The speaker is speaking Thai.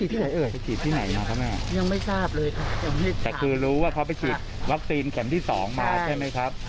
แต่คือรู้ว่าเขาไปฉีดวัคซีนแข่มที่๒มาใช่ไหมครับ